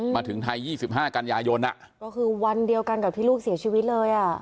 มาถึงไทย๒๕กันยายนก็คือวันเดียวกันกับที่ลูกเสียชีวิตเลยอ่ะ